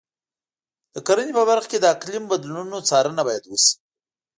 د کرنې په برخه کې د اقلیم بدلونونو څارنه باید وشي.